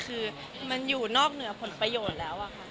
คือมันอยู่นอกเหนือผลประโยชน์แล้วอะค่ะ